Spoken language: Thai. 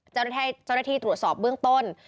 เจ้าหน้าที่ตรวจสอบเบื้องต้น